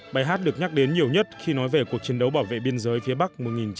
bài hát được nhắc đến nhiều nhất khi nói về cuộc chiến đấu bảo vệ biên giới phía bắc một nghìn chín trăm bảy mươi